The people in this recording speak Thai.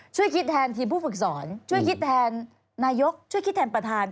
ช่วยคิดแทนทีมผู้ฝึกสอนช่วยคิดแทนนายกช่วยคิดแทนประธาน